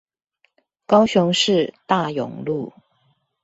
高雄市大勇路